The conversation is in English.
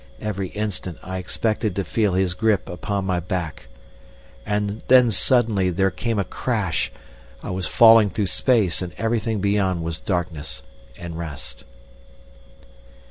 Every instant I expected to feel his grip upon my back. And then suddenly there came a crash I was falling through space, and everything beyond was darkness and rest.